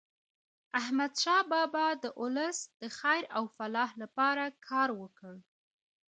احمدشاه بابا د ولس د خیر او فلاح لپاره کار وکړ.